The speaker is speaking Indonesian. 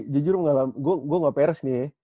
jujur gue gak peres nih